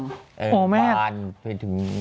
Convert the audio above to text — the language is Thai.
พี่โบ๊พเลยผิดถึง